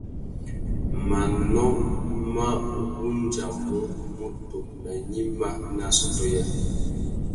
Manô mà wandjamú mutu nà gnïma nà assôtô yâā.